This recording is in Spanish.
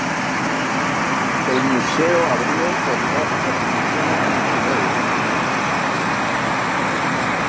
El museo abrió con dos exhibiciones multimedia.